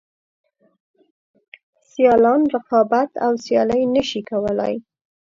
سیالان رقابت او سیالي نشي کولای.